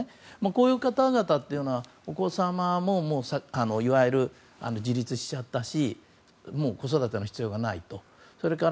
こういう方々というのはお子様も自立しちゃったし子育ての必要がないと。